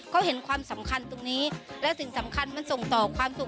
ก็เห็นความสำคัญตรงนี้และสิ่งสำคัญมันส่งต่อความสุข